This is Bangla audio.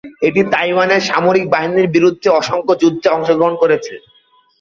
এটি তাইওয়ানের সামরিক বাহিনীর বিরুদ্ধে অসংখ্য যুদ্ধে অংশগ্রহণ করেছে।